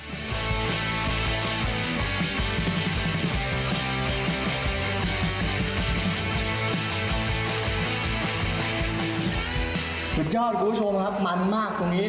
สุดยอดคุณผู้ชมครับมันมากตรงนี้